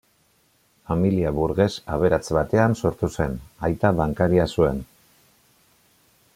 Familia burges aberats batean sortu zen; aita bankaria zuen.